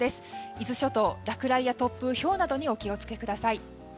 伊豆諸島は落雷や突風ひょうなどにお気を付けください。